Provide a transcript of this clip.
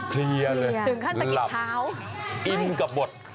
คลียร์เลยหลับอิ่มกับบท